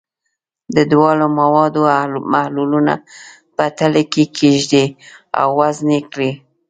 د دواړو موادو محلولونه په تلې کې کیږدئ او وزن یې کړئ.